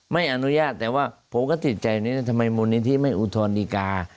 ไม่อนุญาตแต่ว่าผมก็ติดใจนี้ทำไมมูลนิธิไม่อุทธรณดีการ์